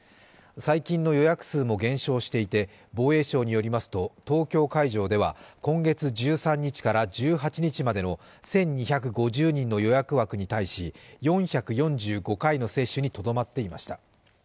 最近の予約数も減少していて防衛省によりますと、東京会場では今月１３日から１８日までの１２５０人の予約枠に対し４４５回の接種にとどまっていました。